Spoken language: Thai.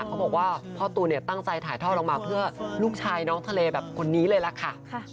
เขาบอกว่าพ่อตูนเนี่ยตั้งใจถ่ายทอดออกมาเพื่อลูกชายน้องทะเลแบบคนนี้เลยล่ะค่ะ